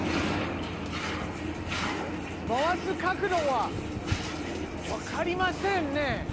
回す角度はわかりませんね。